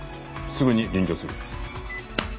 すぐに臨場する。